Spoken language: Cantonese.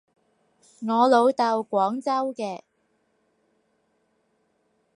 我老豆廣州嘅